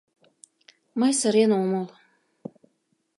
Мый сырен ом ул.